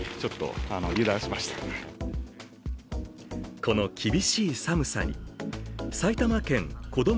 この厳しい寒さに、埼玉県こども